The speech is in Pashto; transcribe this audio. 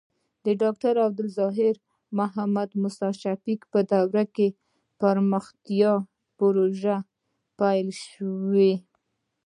د ډاکټر عبدالظاهر او محمد موسي شفیق په دورو کې پرمختیايي پروژې پلې شوې.